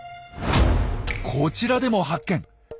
こちらでも発見。